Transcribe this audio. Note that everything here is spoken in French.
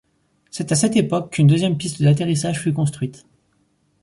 C'est à cette époque qu'une deuxième piste d'atterrissage fut construite.